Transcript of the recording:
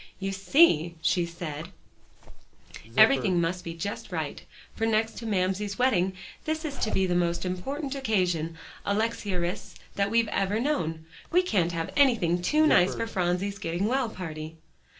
"You see," she said, "everything must be just right, for next to Mamsie's wedding, this is to be the most important occasion, Alexia Rhys, that we've ever known. We can't have anything too nice for Phronsie's getting well party."